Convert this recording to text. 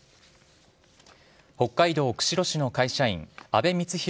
北海道釧路市の会社員、阿部光浩